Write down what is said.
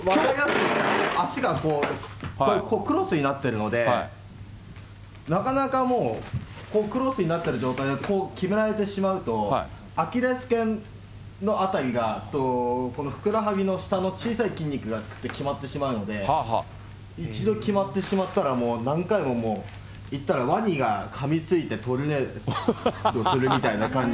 足がクロスになってるので、なかなかもう、クロスになってる状態で、こう決められてしまうと、アキレスけんの辺りが、このふくらはぎの下の小さい筋肉が決まってしまうので、一度決まってしまったら、もう何回もいったらワニがかみついてトルネードするみたいな感じ